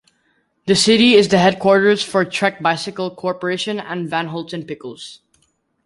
The city is the headquarters for Trek Bicycle Corporation and Van Holten Pickles.